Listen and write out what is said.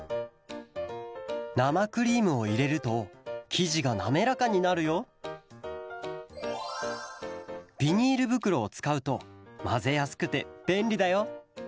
なまクリームをいれるときじがなめらかになるよビニールぶくろをつかうとまぜやすくてべんりだよ